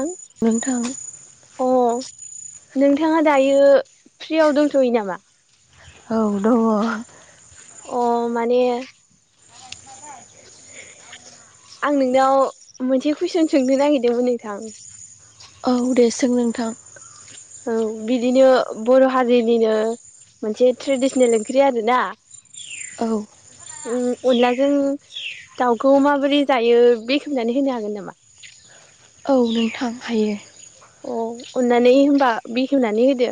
आं नोंथां अ नोंथाङा दायो फ्रियाव दंथ'यो नामा? औ दङ! अ' माने- [inaudible] आं नोंनाव मोनसे कुइसन सोंनो नागिरदोंमोन नोंथां। औ दे सों नोंथां। औ बिदिनो बर' हारिनिनो मोनसे ट्रेडिसनेल ओंख्रि आर ना औ! अनलाजों दाउखौ माबोरै जायो बेखेवनानै होनो हागोन नामा? [inaudible] औ नोंथां हायो। अ अननानै होनोमबा बिखेवनानै होदो।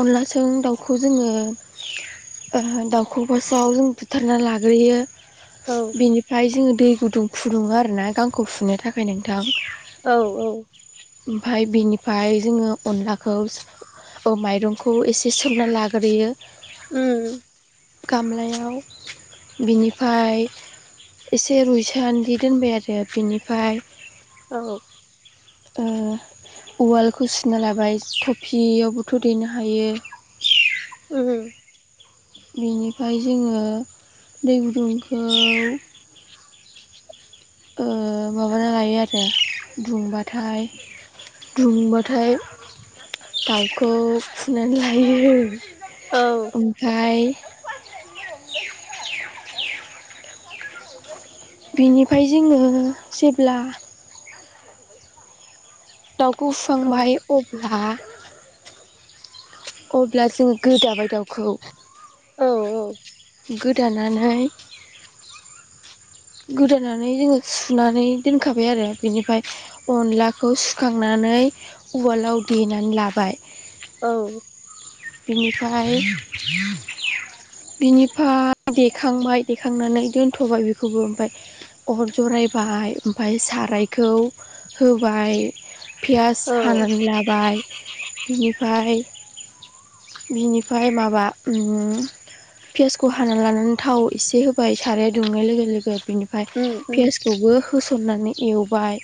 अनदलाजों दाउखौ जोङो दाउखौ फार्सआव जों बुथारना लाग्रोयो औ बेनिफ्राय जोङो दै गुदुं फुदुङो आरोना गांखौ फुनो थाखाय नोंथां। औ औ ओमफ्राय बिनिफ्राय जोङो अनलाखौ औ माइरंखौ एसे सोमना लाग्रोयो उम गामलायाव बिनिफ्राय एसे रुयसानदि दोनबाय आरो बिनिफ्राय औ उवालखौ सिना लाबाय थफियावबोथ' देनो हायो उम बेनिफ्राय जोङो दै गुदुंखौ ओ माबाना लायो आरो दुंबाथाय दुंबाथाय दाउखौ फुनानै लायो औ ओमफ्राय बिनिफ्राय जोङो जेब्ला दाउखौ औ फुखांबाय अब्ला अब्ला जों गोदाबाय दाउखौ औ औ गोदानानै गोदानै जोङो सुनानै दोनखाबाय आरो बिनिफ्राय अनलाखौ सुखां नानै उवालाव देनानै लाबाय औ बिनिफाय बिनिफाय देखांबाय देखांनानै दोनथ'बाय बेखौबो ओमफाय अर जरायबाय ओमफाय सारायखौ होबाय पियास औ हानानै लाबाय बिनिफाय बिनिफाय माबा उम पियासखौ हानानै लानानै थाव एसे होबाय साराया दुंनाय लोगो लोगो बिनिफाय उम उम पियासखौबो होस' थननानै एवबाय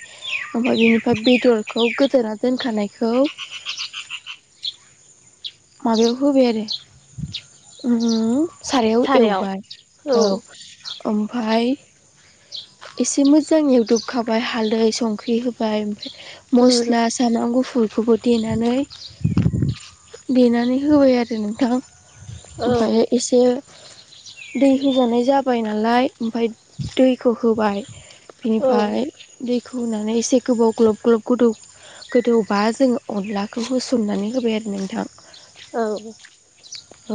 ओमफाय बेनिफ्राय बेदरखौ गोदाना दोनखानायखौ [unintelligible] माबायाव होबाय आरो उम उम सारायाव एवबाय औ ओम फाय एसे मोजां एवदोबखाबाय हालदै, संख्रि होबाय उम मस्ला सामब्राम गुफुरखौबो देनानै देनानै होबाय आरो नोंथां औ ओमफाय एसे दै होजानाय जाबाय नालाय ओमफाय दैखौ होबाय औ बिनिफाय दैखौ होनानै एसे गोबाव ग्लब ग्लब गोदौ गोदौबा जोङो अनलाखौ होसननानै होबाय आरो नोंथां औ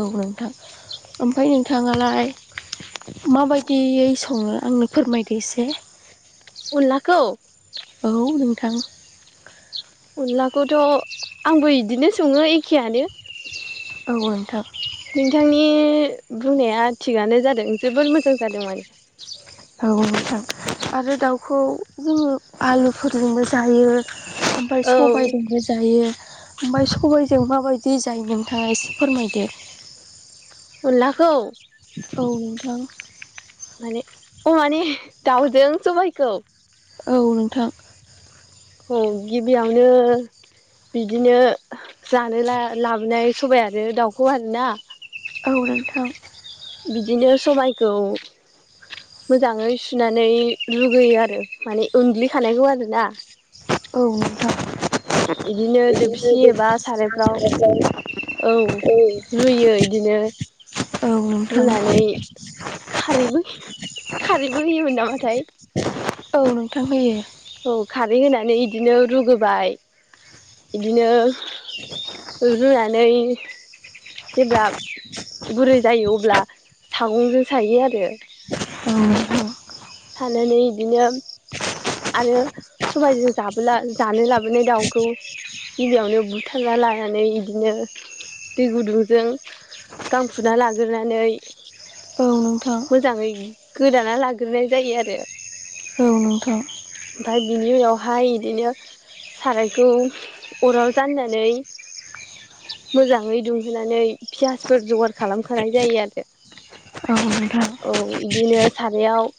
औ नोंथां ओमफाय नोंथाङालाय माबायदियै सङो आंनो फोरमायदो एसे अनलाखौ औ नोंथां अनलाखौथ' आंबो बिदिनो सङो एखेयानो औ नोंथां नोंथांनि बुंनाया थिगानो जादों जोबोर मोजां जादों माने औ नोंथां आरो दाउखौ जोङो आलुफोरजोंबो जायो। ओमफाय औ सबायजोंबो जायो। ओमफाय सबायजों माबायदि जायो नोंथाङा एसे फोरमायदो? अनलाखौ औ नोंथां माने अ माने दाउजों सबाइखौ औ नोंथां औ गिबियावनो बिदिनो जानो ला-लाबोनाय सबाइ आरो दाउखौ आरोना औ नोंथां बिदिनो सबायखौ मोजाङै सुनानै लुगैयो आरो माने उनग्लिखानायखौ आरोना औ नोंथा बिदिनो दोबसि एबा सारायफ्राव औ रुयो इदिनो। औ नोंथां रुनानै खारैबो खारैबो होयोमोन नामाथाय? औ नोंथां होयो। औ खारै होनानै इदिनो रुगोबाय। इदिनो रुनानै जेब्ला गुरै जायो अब्ला सागंजों सायो आरो। औ अह। सानानै इदिनो आरो सबायजों जाबोला जानो लाबोनाय दाउखौ गिबियावनो बुथारना लानानै इदिनो दै गुदुंजों गां फुना लाग्रोनानै औ नोंथां मोजाङै गोदाना लाग्रोनाय जायो आरो। औ नोंथां। ओमफाय बिनि उनावहाय इदिनो सारायखौ अराव जाननानै मोजाङै दुंहोनानै फियासफोर जगार खालामखानाय जायो आरो। नोंथां औ नोंथां औ औ इदिनो सारायाव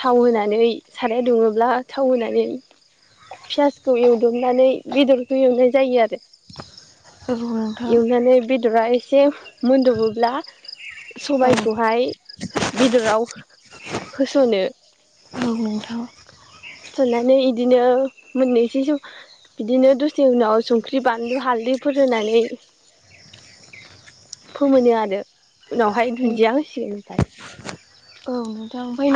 थाव होनानै, साराया दुङोब्ला थाव होनानै फियासखौ एवदबनानै बेदरखौ एवनाय जायो आरो। औ नोंथां औ नोंथां एवनानै बेदरा एसे मोनद'बोब्ला ओमफ्राय सबायखौहाय बेदराव होस'नो। औ नोंथां। होसननानै इदिनो मोननोसै सम इदिनो दसे उनाव संख्रि, बानलु, हालदैफोर होनानै फोमोनो आरो उनावहाय दुन्दिया होसिगोन ओमफाय।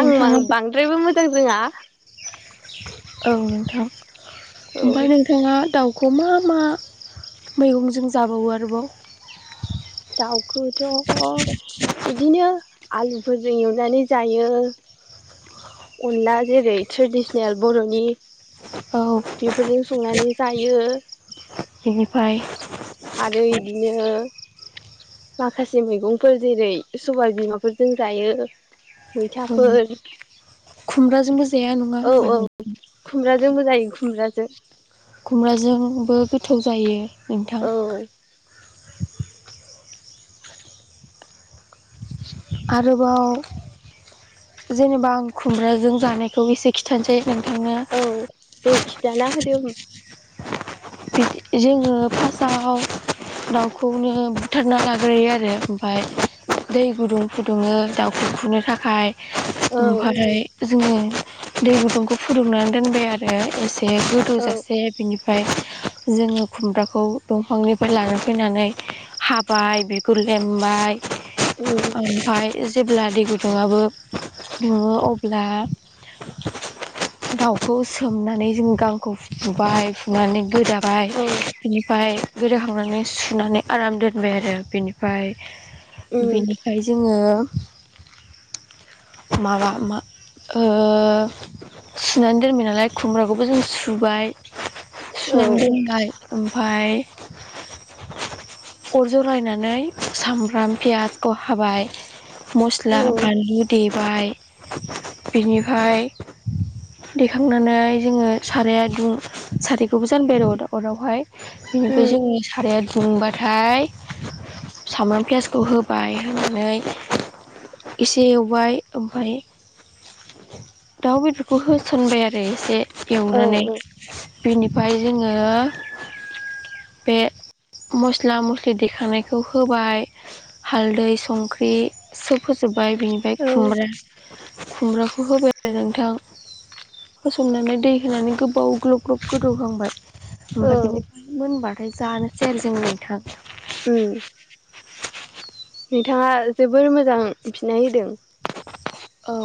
आं बांद्रायबो मोजां रोङा। औ नोंथां। औ ओमफाय नोंथाङा दाउखौ खौ मा मा मैगंजों जाबावो आरोबाव? दाउखौथ' इदिनो आलुफोरजों एवनानै जायो। अनला जेरै ट्रेडिसनेल बर'नि औ। बेफोरजों संनानै जायो। बेनिफाय? आरो इदिनो माखासे मैगंफोर जेरै सबाय बिमाफोरजों जायो। मैथाफोर औ खुमब्राजोंबो जाया नङा औ। होमबा नों खुमब्राजोंबो जायो खुमब्राजों। खुमब्राजोंबो गोथाव जायो नोंथां। औ आरोबाव जेनेबा आं खुमब्राजों जानायखौ एसे खिथानोसै। नोंथांनो औ दे खिथाना होदो होम जोङो फासाव दाउखौनो बुथारना लाग्रोयो आरो ओमफाय दै गुदुं फुदुङो, दाउखौ खुनो थाखाय। औ ओमफाय जोङो दै गुदुंखौ फुदुंनानै दोनबाय आरो एसे से औ गोदौजासे बिनिफाय जोङो खुमब्राखौ दंफांनिफाय लाना फैनानै हाबाय, बिगुर लेमबाय उम ओमफाय जेब्ला दै गुदुङाबो दुङो अब्ला दाउखौ सोमनानै जों गांखौ फुबाय फुनानै गोदाबाय औ बेनिफ्राय गोदाखांनानै सुनानै आराम दोनबाय आरो बेनिफ्राय उम बेनिफ्राय जोङो [inaudible] माबा मा ओ सुनानै दोनबाय नालाय खुमब्राखौबो जों सुबाय औ सुनानै दोनबाय ओमफाय अर जरायनानै सामब्राम पियासखौ हाबाय मस्ला बानलु देबाय बिनिफाय देखांनानै जोङो साराया दुं साराय खौबो जानबाय आरो अरावहाय बेनिफाय उम जोङो साराया दुंबाथाय सामब्राम पियासखौ होबाय होनानै एसे एवबाय ओमफाय दाउ बेदरखौ होस'नबाय आरो एसे औ एवनानै बेनि ओमफाय जोङो बे मस्ला मस्लि देखानायखौ होबाय हालदै, संख्रि सोब होजोबबाय बिनिफ्राय औ खुमब्रा-खुमब्राखौ होबाय आरो नोंथां। होस'ननानै दै होनानै गोबाव ग्लब ग्लब गो दौहांबाय औ ओमफाय बेनिफाय मोनबाथाय जानोसै आरो जों नोंथां। उम। नोंथाङा जोबोर मोजां फिनाय होदों। औ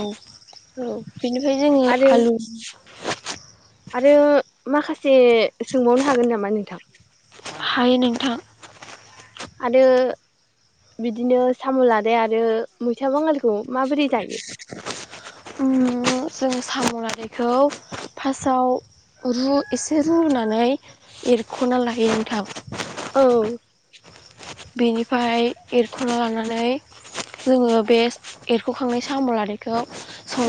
औ बेनिफ्राय जोङो आरो आलु आरो माखासे सोंबावनो हागोन नामा नोंथां? हायो नोंथां आरो बिदिनो साम' लादाय आरो मैथा बांगालखौ माबोरै जायो ओम जोङो साम' लादायखौ फासआव रु एसे रुनानै एरख'ना लायो नोंथां । औ। बेनिफाय एरख'ना लानानै जोङो बे एरख'खांनाय साम' लादायखौ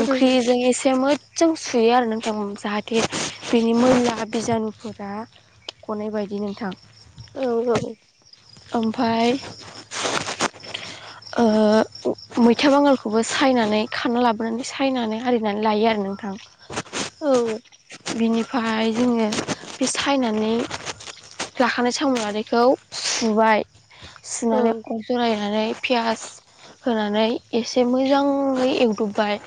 उम एसे मो जां सुयो आरो नोंथां जाहाथे बिनि मैला बिजानुफोरा गनाय बायदि नोंथां । औ औ। ओमफाय ओ मैथा बांगालखौबो सायनानै खाना लाबोनानै सायनानै आरिनानै लायो आरो नों थां। औ। बिनि लाखानाय साम' लादायखौ सुबाय औ सुनानै अर जरायनानै फियास होनानै एसे मोजाङै एवद'बबाय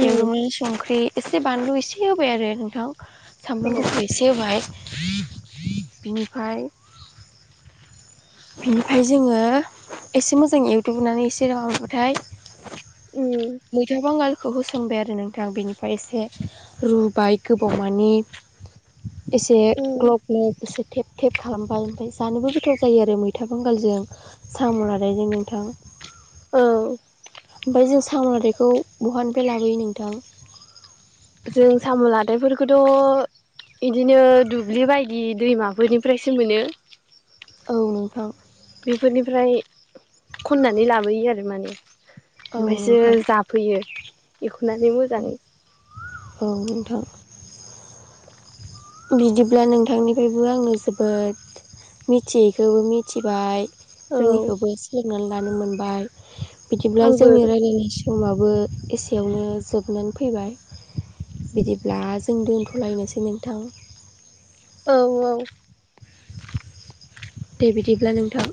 उम एरुवि संख्रि एसे बानलु इसे होबाय आरो नोंथां । सामब्राम औ गुफुर एसे होबाय बिनिफाय बिनिफाय जोङो एसे मोजां एवदुबनानै एसे राबाथाय उम मैथा बांगाल खौ होस'नबाय आरो नोंथां बेनिफाय एसे रुबाय गोबावमानि एसे उम ग्लब ग्लब एसे थेब थेब खालामबाय ओमफाय जानोबो गोथाव जायो आरो मैथा बांगालजों साम' लादायजों नोंथां । औ। ओमफाय जों साम'लादायखौ बहानिफाय लाबोयो नोंथां? जों साम' लादायफोरखौथ' इदिनो दुब्लि बायदि दैमाफोरनिफ्रायसो मोनो औ नोंथां बेफोरनिफ्राय खननानै लाबोयो आरो माने औ ओमफायसो नोंथां जाफैयो एख'नानै मोजाङै औ नोंथां ‌। बिदिब्ला नोंथांनिफ्रायबो आङो जोबोद मिथियैखौबो मिथिबाय औ रोङैखौबो सोलोंनानै लानो मोनबाय बिदिब्ला आंबो जोंनि रायलायनाय समाबो एसेयावनो जोबनानै फैबाय ‌ बिदिब्ला जों दोनथ'लायनोसै नोंथां औ औ दे बिदिब्ला नोंथां